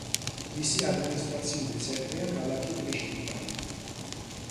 მისი ადმინისტრაციული ცენტრია ქალაქი პრიშტინა.